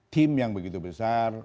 tim yang begitu besar